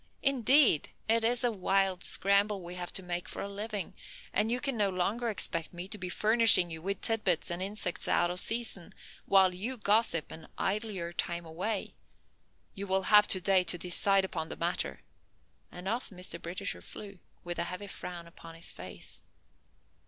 Indeed, it is a wild scramble we have to make for a living, and you can no longer expect me to be furnishing you with tid bits and insects out of season, while you gossip and idle your time away. You will have to day to decide upon the matter," and off Mr. Britisher flew, with a heavy frown upon his face.